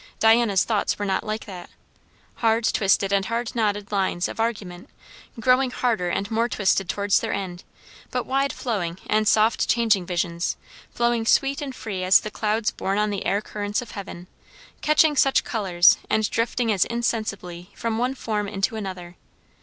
Diana's thoughts were not like that, hard twisted and hard knotted lines of argument, growing harder and more twisted towards their end; but wide flowing and soft changing visions, flowing sweet and free as the clouds borne on the air currents of heaven; catching such colours, and drifting as insensibly from one form into another.